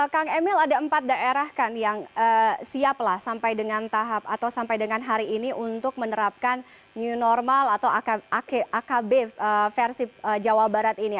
kang emil ada empat daerah kan yang siap lah sampai dengan tahap atau sampai dengan hari ini untuk menerapkan new normal atau akb versi jawa barat ini